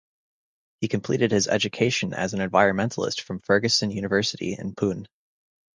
He completed his education as an Environmentalist from Fergusson University in Pune.